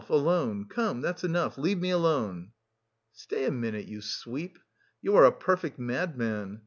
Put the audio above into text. alone. Come, that's enough. Leave me alone." "Stay a minute, you sweep! You are a perfect madman.